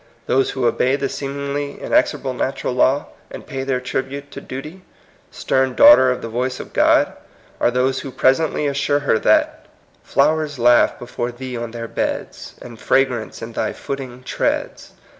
Those who obey the seemingly inexorable natural law, and pay their tribute to Duty, "stern daughter of the voice of God," are those who pres ently assure her that — "Flowers laugh before thee on their beds, And fragrance in thy footing treads.